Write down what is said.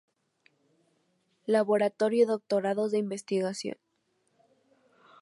Laboratorio y Doctorados de investigación